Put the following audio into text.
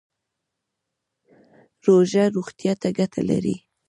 روژه روغتیا ته ګټه لري